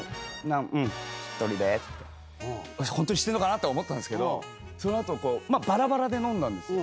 ホントに知ってんのかなとは思ったんですけどその後ばらばらで飲んだんです。